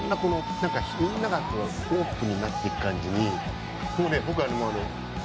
みんながオープンになっていく感じに。